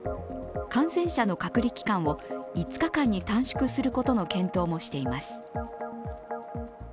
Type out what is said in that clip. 感染者の隔離期間を５日間に短縮することの検討もしています。